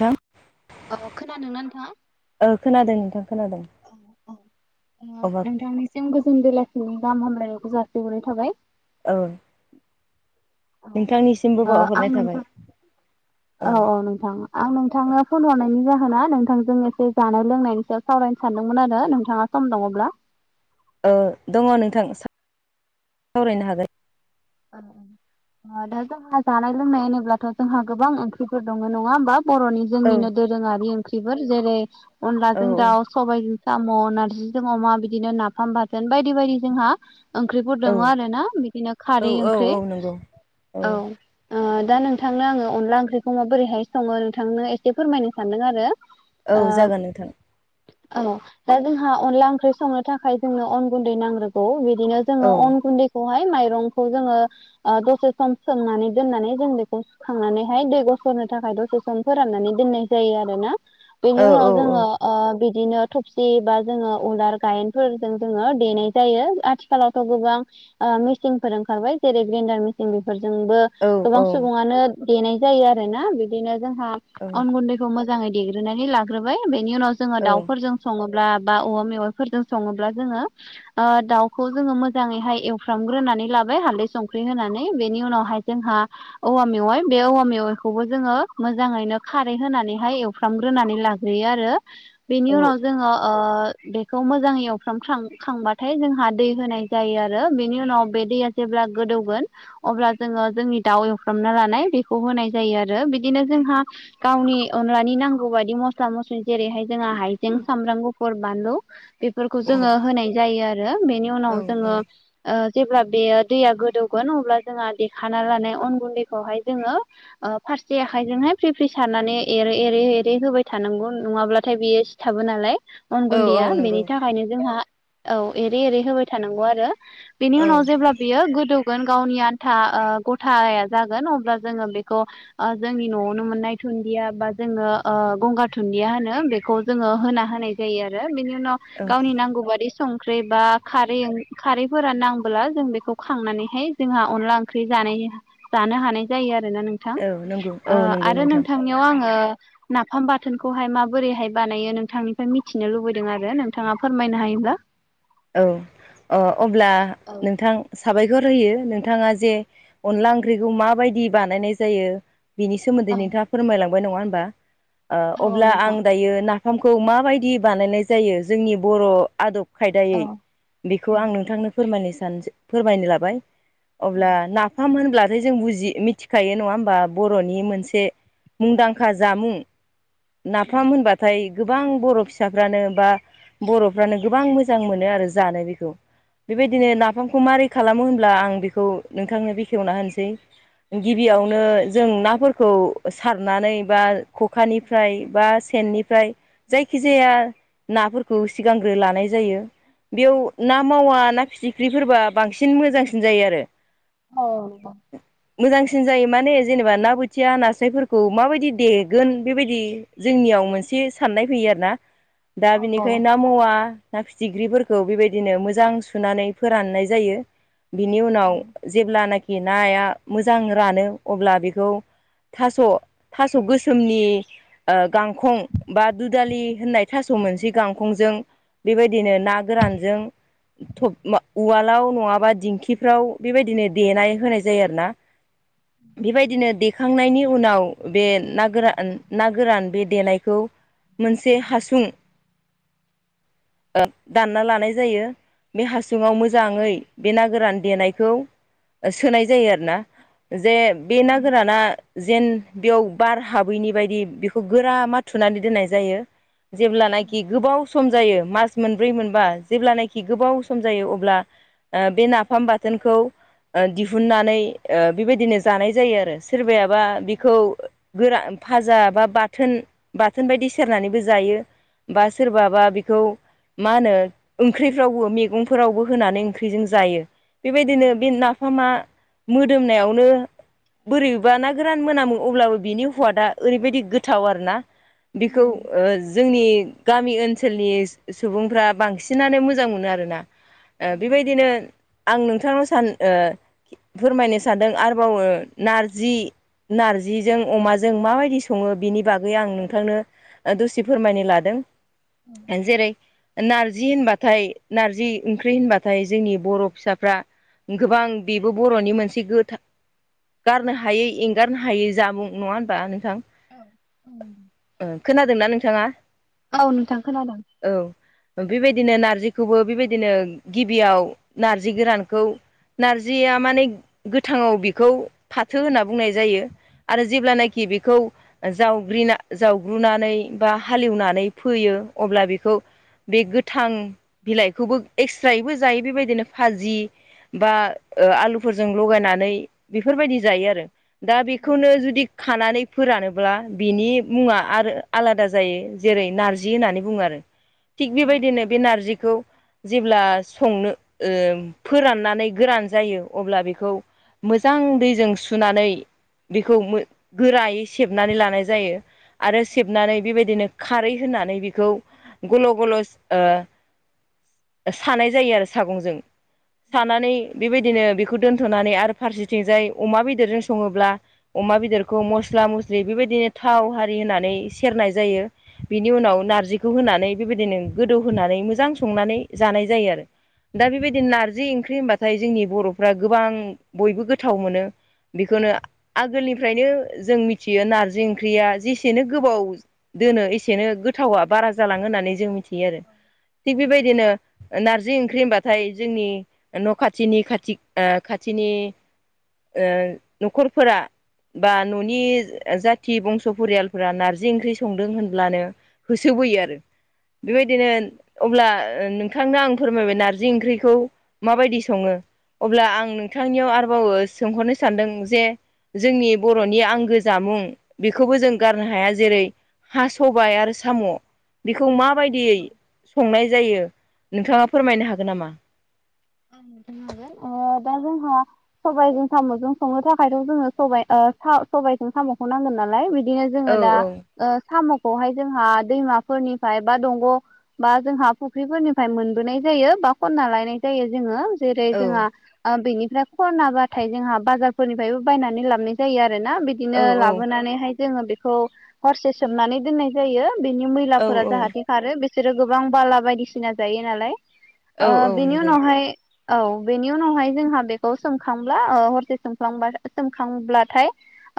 नोंथां औ खोनादोंना नोंथाङा ओ खोनादों नोंथां खोनादों औ औ ओ अबा नोंथांनिसिम गोजोन बेलाायसिनि गाहाम हामलायनायखौ जासिहरनाय थाबाय औ औ नोंथांनिसिमबो ओ आं बावहरनाय नोंथां थाबाय औ औ नोंथां आं नोंथांनो फन हरनायनि जाहोना नोंथांजों एसे जानाय लोंनायनि सायाव सावरायनो सानदोंमोन आरो नोंथाङा सम दङब्ला ओ दङ नोंथां सावरायनो हागोन ओ ओ ओ दा जोंहा जानाय लोंनाय होनोब्लाथ' जोंहा गोबां ओंख्रिफोर दङ नङा होमब बर'नि औ जोंनिनो दोरोङारि ओंख्रिफोर जेरै औ अनलाजों दाउ सबायाइजों साम' नारजिजों अमा बिदिनो नाफाम बाथोन बायदि बायदि जोंहा ओंख्रिफोर दङ औ आरो ना बिदिनो औ खारै औ ओंख्रि औ नंगौ औ ओ दा नोंथांनो आङो अनला ओंख्रिखौ माबोरैहाय सङो नोंथांनो एसे फोरमायनो सानदों आरो औ ओ जागोन नोंथां औ दा जोंहा अनला ओंख्रि संनो थाखाय जोंनो अन गुन्दै नांग्रोगौ बिदिनो औ जोङो अन गुन्दैखौहाय माइरंखौ जोङो ओ दसे सम सोमनानै दोननानै जों बेखौ थांनानैहाय दै गसरनो थाखाय दसे सम फोराननानै दोननाय जायो आरो ना बेनि औ उनाव औ औ जोङो ओ बिदिनो थबसि बा जोङो उलार गायेनफोरजों जोङो देनाय जायो आथिखाल खालावथ' गोबां ओ मिसीनफोरजों खारबाय जेरै ग्रेन्डार मेसिन बेफोरजोंबो औ औ गोबां औ सुबुङानो देनाय जायो आरो ना बिदिनो जोंहा औ औ अन गुन्दै खौ मोजाङै देग्रोनानै लाग्रोबाय बेनि उनाव जोङो औ दाउफोरजों सङोब्ला बा औवा मेवाइफोरजों सङोब्ला जोङो ओ दाउखौ जोङो मोजाङैहाय एवफ्रामग्रोनानै लाबो हाल्दै संख्रि होनानै बेनि उनावहाय जोंहा औवा मेवाइ बे औवा मेवाइखौबो जोङो मोजाङैनो खारै होनानैहाय एव फ्रामग्रोनानै लाग्रोयो आरो बेनि उनाव जोङो ओ बेखौ मोजाङै एवफ्रा खांबाथाय जोंहा दै होनाय जायो आरो बेनि उनाव बे दैया जेब्ला गोदौगोन अब्ला जोङो जोंनि दाउ एवफ्रामना लानाय बेखौ होनाय जायो। आरो बिदिनो जोंहा गावनि अनलाानि नांगौ बादि मस स्ला मस्लि जेरैहाय जोंहा हायजें, साम्बा गुफुर, बानलु बेफोरखौ जोङो होनाय जायो। आरो बेनि उनाव जोङो ओ जेब्ला बेयो दैया गोदौगोन अब्ला जोंहा देखाना लानाय अन गुन्दैखौहाय जोङो फारसे आखाइजोंहाय फ्रि फ्रि सारनानै एरै एरै होबाय थानांगौ नङाब्लाथाय बेयो थाबो नालाय अन गुन्दैया नंगौ बेनि थाखायनो जोंहा औ एरै एरै होबाय थानांगौ आरो बेनि औ उनाव जेब्ला बियो गोदौगोन गावनि आन्था गथाया जागोन अब्ला जोङो बेखौ ओ जोंनि न'आवनो मोननाय थुन्दिया बा जोङो गंगार थुनुन्दिया होनो बेखौ जोङो होना होनाय जायो आरो बिनि उनाव औ गावनि नांगौ बादि संख्रि बा खारै खारैफोरा नांबोला जों बेखौ खांनानैहाय जोंहा अनला ओंख्रि जानाय जानो हानाय जायो आरोना नों थां औ नंगौ औ नंगौ आरो नोंथां नोंथांनियाव आङो नाफाम बाथोनखौहाय माबोरैहाय बानायो नोंथांनिफ्राय मिथिनो लुबैदों आरो नोंथाङा फोरमायनो हायोब्ला? [inaudible] [unintelligible] औ अ अब्ला नोंथां। साबायखर होयो नोंथाङा जे अनला ओंख्रिखौ माबायदि बानायनाय जायो। बिनि सोमोन्दै नोंथाङा फोरमायलांबाय नङा होमबा ओ औ अब्ला आं नोंथां दायो ना फामखौ माबायदि बानायनाय जायो जोंनि बर' आदब खायदायै। बेखौ आं नोंथांनो फोरमायनो सानसै फोरमायनो लाबाय व अब्ला नाफाम होनब्ला ‌ ओमफ्राय जों बुजि मिथिखायो नङा होमबा बर'नि मोनसे मुंदांखा जामुं। नाफाम होनबाथाय गोबां बर' फिसाफ्रानो बा बर'फ्रानो गोबां मोजां मोजां मोनो आरो जानो बेखौ बेबायदिनो नाफामखौ मारै खालामो होनब्ला आं बेखौ नोंथांनो बेखेवना होनसै। गिबियावनो जों नाफोर खौ सारनानै बा खखानिफ्राय बा सेननिफ्राय। जायखिजाया नाफोरखौ सिगांग्रो लानाय जायो बेयाव ना ना मावा ना फिथिख्रिफोरबा बांसिन मोजांसिन जायो आरो। अ- अ। मोजांसिन जायो माने जेनेबा ना बोथिया नास्रायफोरखौ माबायदि देगोन बेबायदि जोंनियाव मोनसे साननाय फैयो आरोना दा बिनिखायनो ना मावा ना फि थिख्रिफोरखौ बेबायदिनो मोजां सुनानै फोराननाय जायो। बिनि उनाव जेब्लानाखि नाया मोजां रानो अब्ला बेखौ थास' थास' गोसोमनि ओ गांखं बा दुदालि होननाय थास' मोनसेै गांखंजों बेबायदि बिदिनो ना गोरानजों थ'ब उवालाव नङाबा दिंखिफ्राव बेबायदिनो देनाय होनाय जायो आरो ना। [inaudible] [unintelligible] बेबायदिनो देखांनायनि उनाव बे ना गोरान ना गोरान बे देनायखौ मोनसे हासुं ओ दानना लानाय जायो बे हासुङाव मोजाङै बे ना गोरान देनायखौ सोनाय जायो आरो ना। जे बे ना गोराना जेन बेयाव बार हाबैनि बायदि बेखौ गोरा माथुनानै दोननाय जायो। जेब्लानाखि गोबाव सम जायो मास मोनब्रै मोनबा जेब्लानाखि गोबाव सम जायो अब्ला ओ बे नाफाम बाथोनखौ ओ दिहुननानै ओ बेबायदिनो जानाय जायो आरो। सोरबायाबा बिखौ गोरा फाजा बा बाथोन-बाथोन बायदि सेरनानैबो जायो। बा सोरबाबा बेखौ मा होनो ओंख्रिफ्रावबो मेगंफोरावबो होनानै ओंख्रिजों जायो। बेबायदिनो बे नाफामा मोदोमनायावनो बोरैबा ना गोरान मोनामो अब्लाबो बिनि हुवादा ओरैबायदि गोथाव आरोना। बेखौ ओ जोंनि गामि ओनसोलनि सुबुंफ्रा बांसिनानो मोजां मोनो आरोना बेबायदिनो आं नोंथांनाव सान ओ फोरमायनो सानदों आरोबाव नारजि नारजिजों अमाजों माबायदि सङो बिनि बागै आं नोंथांनो दसि फोरमायनो लादों। जेरै नारजि होनबाथाय नारजि ओंख्रि होनबाथाय जोंनि बर' फिसाफ्रा गोबां बेबो बर'नि मोनसे गोथा गारनो हायै एंगारनो हायै जामुं नङा होनबा नोंथां? औ [unintelligible] ओ खोनादोंना नोंथाङा औ नोंथां खोनादों औ बेबायदिनो नार्जिखौबो बेबायदिनो गिबियाव नार्जि गोरानखौ नारजिया माने गोथाङाव बेखौ फाथो होनना बुंनाय जायो। आरो जेब्लानोखि बेखौ जावब्रिना जावग्रूनानै बा हालेवनानै फोयो अब्ला बे खौ बे गोथां बिलाइखौबो एक्सट्रायैबो जायो बेबायदिनो भाजि बा ओ आलुफोरजों लगायनानै बेफोरबायदि जायो आरो दा बेखौनो जुदि खानानै फोरानोब्ला बिनि मुङा आरो आलादा जायो जेरै नारजि होननानै बुङो आरो थिग बेबायदिनो बे नारजिखौ जेब्ला संनो ओ फोराननानै गोरान जायो अब्ला बेखौ मोजां दैजों सुनानै बेखौ मो गोरायै सेबनानै लानाय जायो आरो सेबनानै बेबायदिनो खारै होनानै बेखौ गल' गल'स ओ सानाय जायो आरो सागंजों सानानै बेबायदिनो बेखौ दोन्थ'नानै आरो फारसेथिंजाय अमा बेदरजों सङोब्ला अमा बेदरखौ मस्ला मस्लि बेबायदिनो थाव हारि होनानै सेरनाय जायो। बिनि उनाव नारजिखौ होनानै बेबायदिनो गोदौ होनानै मोजां संनानै जानाय जायो आरो दा बेबायदिनो नारजि ओंख्रि होनबा फ्राय जोंनि बर'फ्रा गोबां बयबो गोथाव मोनो बेखौनो आगोलनिफ्रायनो जों मिथियो नारजि ओंख्रिया जेसेनो गोबाव दोनो एसेनो गोथावा बारा जालाङो होननानै जों मिथियो आरो थिग बेबायदिनो नारजि ओंख्रि होनबाथाय जोंनि न' खाथिनि खाथिक ओ खाथिनि ओ न'खरफोरा बा न'नि जाथि बंस' फरियालफोरा नारजि ओंख्रि संदों होनब्लानो होसोबोयो आरो बेबायदिनो अब्ला ओ नों थांनो आं फोरमायबाय नारजि ओंख्रिखौ माबायदि सङो? अब्ला आं नोंथांनियाव आरोबाव सोंहरनो सानदों जे जोंनि बर'नि आंगो जामुं बेखौबो जों गारनो हाया जेरै हा सबाय आरो साम' बेखौ मा बायदियै संनाय जायो नोंथाङा फोरमायनो हागोन नामा? अ दा जोंहा सबायजों साम'जों संनो थाखायथ' जोङो साबाइ ओ सा सबाइजों साम'खौ नांगोन नालाय बिदि बिदिनो जोङो औ दा औ ओ साम'खौहाय जोंहा दैमाफोरनिफ्राय बा दंग' बा जोंहा फुख्रिफोरनिफ्राय मोनबोनाय जायो बा खनना लायनाय जायो जोङो जेरै औ जोंआ ओ बेनिफ्राय खनाबाथाय जोंहा बाजारफोरनिफ्रायबो बायनानै लाबनाय जायो आरो ना बि औ बिदिनो लाबोनानैहाय जोङो बेखौ हरसे सोमनानै दोननाय जायो बेनि मै औ औ [unintelligible] जाहाथे खारो बिसोरो गोबां बाला बायदिसिना जायो नालाय औ औ ओ बिनि अन नंगौ फ्राय औ बेनि उनावहाय जोंहा बेखौ सोमखांब्ला ओ हरसे सोमखां सोमखांब्लाथाय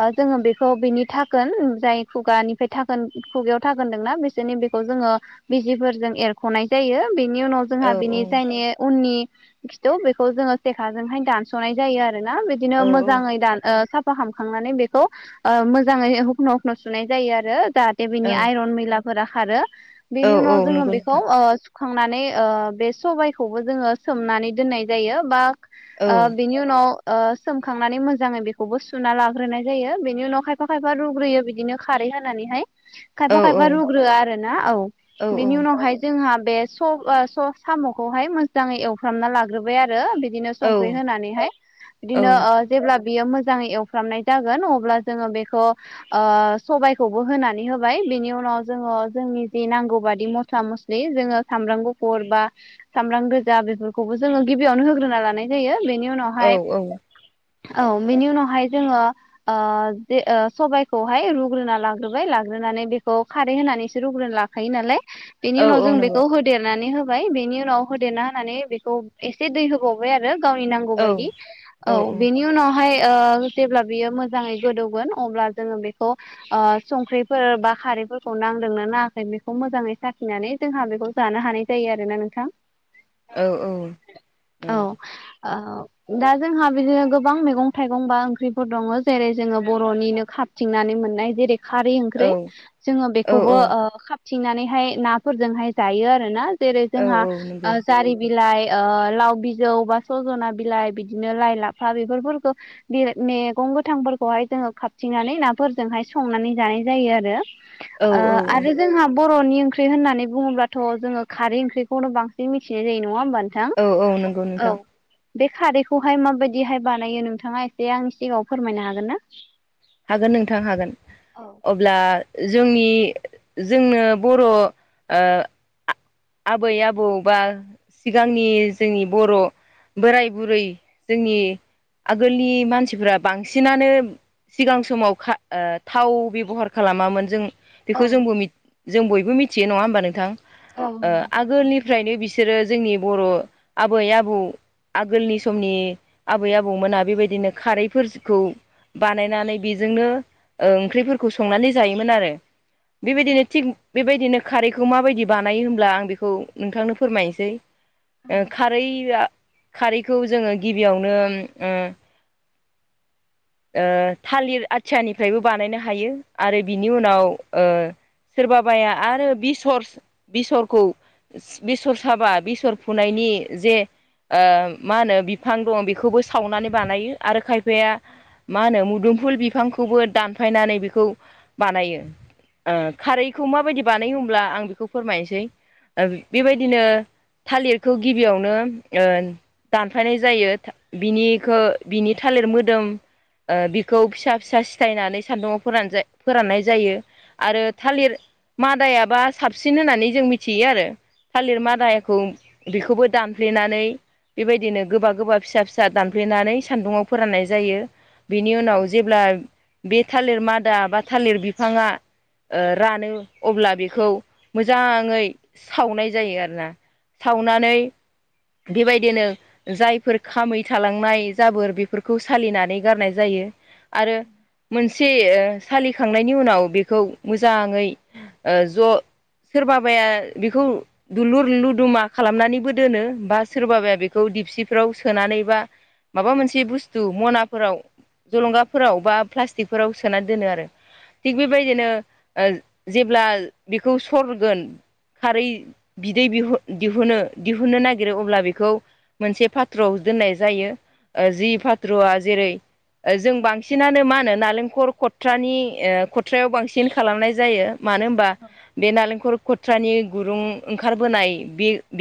ओ जोङो बेखौ बेनि धाकोन जाय खुगानिफ्राय धाकोन खुगायाव धाकोन दोंना बेस [unintelligible] बेखौ जोङो बिजिफोरजों एरख'नाय जायो बिनि उनाव जोंहा औ बिनि जायनि उननि खिथौ बेखौ जोङो सेखाजोंहाय दानस'नाय जायो आरोना बिदिनो औ मोजाङै दान ओ साफ हामखांनानै बेखौ ओ मोजाङै हखन' हखन' सुनाय जायो आरो जाहाथे बेनि औ आइरन मैला फोरा खारो औ बेनि औ उनाव जोङो नंगौ बेखौ नोंथां ओ खांनानै बे सबायखौबो जोङो सोमनानै दोननाय जायो बा औ ओ बिनि उनाव ओ सोमखांनानै मोजाङै बेखौबो सुना लाग्रोनाय जायो बेनि उनाव खायफा खायफा रुग्रोयो बिदिनो खारै होननानै हाय औ खायफा खायफा औ रुग्रो आरो ना औ औ बेनि उनावहाय जोंहा बे स स साम' खौहाय मोजाङै एवफ्रामना लाग्रोबाय आरो बिदिनो संख्रि होनानैहाय बिदिनो औ ओ जेब्ला बियो मोजाङै एवफ्रामनाय जागोन अब्ला जोंङो बेखौ ओ सबायखौबो होनानै होबाय बेनि उनाव जोंङो जोंनि जि नांगौ बादि मस्ला मस लि जोंङो सामब्राम गुफुरबा सामब्राम गोजा बेफोरखौबो जोंङो गिबियावनो होग्रोना लानाय जायो बेनि औ उनावहाय औ औ बेनि उनावहाय जोंङो ओ सबायखौहाय रुग्रोना लाग्रोबाय लाग्रोनानै बेखौ खारै होनानैसो रुग्रोनाला खायो नालाय बेनि औ उनाव औ जों नंगौ बेखौ होदेरनानै होबाय बेनि उनाव होदेरना होनानै बेखौ एसे दै होबावबाय आरो गावनि नांगौ औ बायदि औ बेनि उनावहाय ओ जेब्ला बियो मोजाङै गोदौगोन अब्ला जोंङो बेखौ ओ संख्रिफोर बा खारैफोरखौ नांदोंना नाङाखै बेखौ मोजाङै साखिनानै जोंहा बेखौ जानो हानाय जायो आरोना नोंथां औ औ ओ दा जोंहा बिदिनो गोबां मैगं थाइगं बा ओंख्रिफोर दङ जेरै जोंङो बर'निनो खा थिंनानै मोननाय जेरै खारै ओंख्रि औ जोंङो औ बेखौबो ओ खाबथिंनानैहाय नाफोरजोंहाय जायो आरोना। जेरै जोंहा औ नंगौ ओ जारि बिलाइ ओ लाव बिजौ बा सजना बिलाइ बिदिनो लाइ लाफा बेफोरखौ बे मेगं गोथांफोरखौहाय जोंङो खाबथिनानै नाफोरजोंहाय संनानै जानाय जायो आरो। औ ओ औ आरो जोंहा बर'नि ओंख्रि होननानै बुङोब्लाथ' जोंङो खारै ओंख्रिखौनो बां सिन मिथिनाय जायो नङा होमबा नोंथां औ औ नंगौ औ नोंथां बे खारैखौहाय माबायदिहाय बानायो नोंथाङा एसे आंनि सिगाङाव फोरमायनो हागोनना। हागोन नोंथां हागोन अ ब्ला जोंनि जोंनो बर' ओ आबै आबौ बा सिगांनि जोंनि बर' बोराय बुरै जोंनि आगोलनि मानसिफ्रा बांसिनानो सिगां समाव खा ओ थाव बेबहार खालामामोन जों बेखौ जोंबो मि जों बयबो मिथियो नङा होमबा नोंथां। ओ आगोलनिफ्रायनो बिसोरो जोंनि बर' आबै आबौ आगोलनि समनि आबै आबौमोना बेबायदिनो खारैफोरखौ बानायनानै बेजोंनो ओंख्रिफोरखौ संनानै जायोमोन आरो। बेबायदिनो थिग बेबायदिनो खारैखौ माबायदि बानायो होम ब्ला आं बेखौ नोंथांनो फोरमायनोसै ओ खारैआ खारैखौ जोङो गिबियावनो ओ थालिर आथियानिफ्रायबो बानायनो हायो आरो बिनि उनाव सोरबाबाया आरो बिसर बेसरखौ बेसर साबा बेसर फुनायनि जे ओ मा होनो बिफां दं बेखौबो सावनानै बानायो आरो खायफाया मा होनो मुदुमफुल बिफांखौबो दानफायनानै बेखौ बानायो ओ खारैखौ माबायदि बानायो होमब्ला आं बेखौ फोरमायनोसै बेबायदिनो थालिरखौ गिबियावनो ओ दानफायनाय जायो बिनिखो बिनि थालिर मोदोम ओ बिखौ फिसा फिसा सिथायनानै सान्दुङाव फोरान फोराननाय जायो। आरो थालिर मादायाबा साबसिन होननानै जों मिथियो आरो। थालिर माादाखौ बेखौबो दानफ्लेनानै बेबायदिनो गोबा गोबा फिसा फिसा दानफ्लेनानै सान्दुङाव फोराननाय जायो। बिनि उनाव जेब्ला बे थालिर मादा बा थालिर बिफाङा ओ रानो अब्ला बेखौ मोजाङै सावनाय जायो आरोना। सावनानै बेबायदिनो जायफोर खामै थालांनाय जाबोर बेफोरखौ सालिनानै गारनाय जायो। आरो मोनसे ओ सालिखांनायनि उनाव बेखौ मोजाङै ओ ज' सोरबाबाया बेखौ दुलुर लुदुमा खालामनानैबो दोनो। बा सोरबाबाया बेखौ दिपसिफ्राव सोनानै बा माबा मोनसे बुस्थु मनाफोराव जलंगाफोराव बा प्लास्टिकफोराव सोना दोनो आरो थिग बेबायदिनो ओ जेब्ला बेखौ सरगोन खारै बिदै दिहु दिहुनो दिहुननो नागिर नागिरो अब्ला बेखौ मोनसे पाथ्र दोननाय जायो ओ जि पाथ्रआ जेरै जों बांसिनानो मा होनो नालेंखर खथ्रानि ओ खथ्रायाव बांसिन खालामनाय जायो। मानो होनबा बे नालेंखर खथ्रानि गुरुं ओंखारबोनाय बे बेयाव